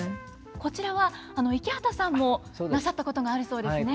こちらは池畑さんもなさったことがあるそうですね。